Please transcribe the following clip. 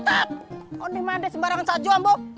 aduh mandi sembarangan saja ambo